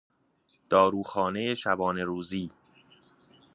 داروخانه شبانه روزی